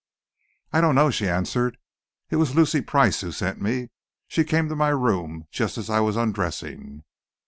"I don't know," she answered. "It was Lucy Price who sent me. She came to my room just as I was undressing."